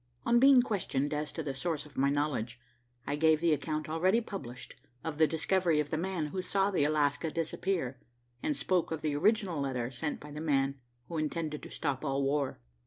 On being questioned as to the source of my knowledge, I gave the account already published of the discovery of the man who saw the Alaska disappear, and spoke of the original letter sent by the man who intended to stop all war.